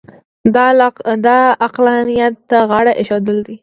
دا عقلانیت ته غاړه اېښودل دي.